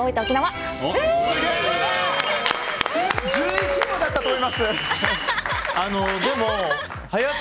１１秒だったと思います！